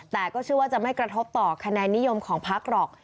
แต่ก็เชื่อว่าจะไม่กระทบต่อคะแนนนิยมของพักหรอก